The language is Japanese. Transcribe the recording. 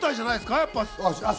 やっぱり。